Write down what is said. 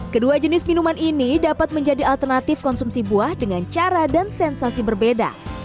kedua jenis minuman ini dapat menjadi alternatif konsumsi buah dengan cara dan sensasi berbeda